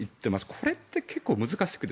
これって結構難しくて。